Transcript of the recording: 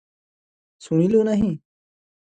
ଶୁଣିଲୁ ନାହିଁ ।